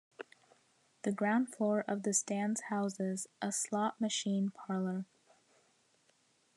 The ground floor of the stands houses a slot machine parlour.